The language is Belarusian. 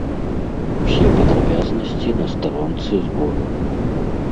Усе падрабязнасці на старонцы збору.